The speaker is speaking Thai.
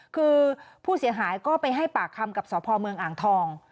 คือผู้เสียหายก็ไปให้ปากคำกับสพเมืองอ่างทอง